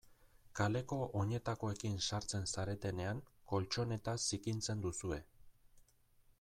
Kaleko oinetakoekin sartzen zaretenean koltxoneta zikintzen duzue.